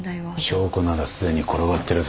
証拠ならすでに転がってるぞ。